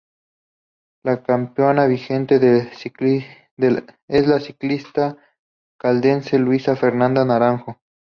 La campeona vigente es la ciclista caldense Luisa Fernanda Naranjo.